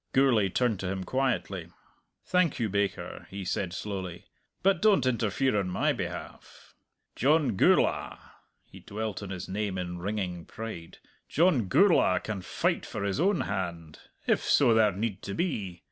Gourlay turned to him quietly. "Thank you, baker," he said slowly. "But don't interfere on my behalf! John Gourla" he dwelt on his name in ringing pride "John Gourla can fight for his own hand if so there need to be.